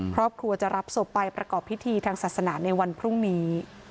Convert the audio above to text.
ครอบครัวจะรับศพไปประกอบพิธีทางศาสนาในวันพรุ่งนี้